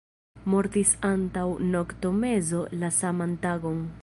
Mortis antaŭ noktomezo la saman tagon.